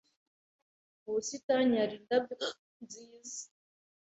Mu busitani hari indabyo nziza